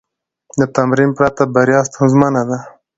د تمرین پرته، بریا ستونزمنه ده.